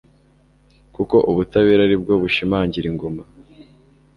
kuko ubutabera ari bwo bushimangira ingoma